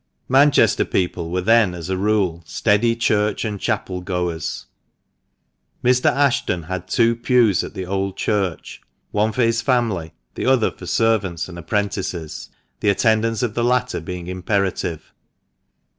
Manchester people were then, as a rule, steady church and chapel goers. Mr. Ashton had two pews at the Old Church : one for his family, the other for servants and apprentices, the attendance of the latter being imperative.